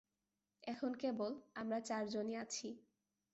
এখন কেবল আমরা চারজন-ই আছি।